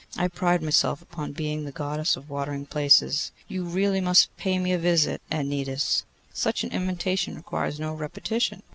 I pride myself upon being the Goddess of watering places. You really must pay me a visit at Cnidos.' 'Such an invitation requires no repetition.